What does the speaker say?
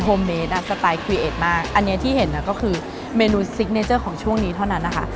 โฮมเมตต์สไตล์คลีเอทมากอันที่เห็นก็คือเมนูซิกเนเจอร์ของช่วงนี้เท่านั้น